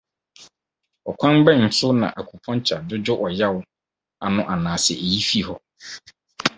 Ɔkwan bɛn so na acupuncture dwudwo ɛyaw ano anaasɛ eyi fi hɔ?